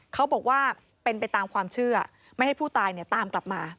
เขาบอกว่าเป็นไปตามความเชื่อไม่ให้ผู้ตายตามกลับมา